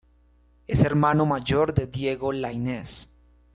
Es hermano mayor de Diego Lainez.